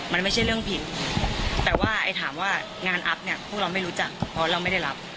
มันไม่ใช่เรื่องผิดแต่ว่าไอ้ถามว่างานอัพเนี่ยพวกเราไม่รู้จักเพราะเราไม่ได้รับ